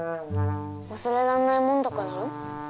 わすれらんないもんだからよ。